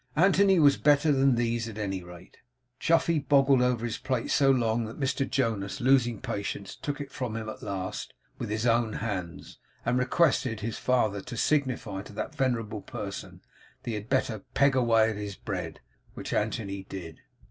Anthony was better than these at any rate. Chuffey boggled over his plate so long, that Mr Jonas, losing patience, took it from him at last with his own hands, and requested his father to signify to that venerable person that he had better 'peg away at his bread;' which Anthony did.